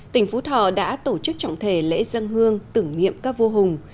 tỉnh phú thọ đã tổ chức trọng thể lễ dân hương tử nghiệm các vua hùng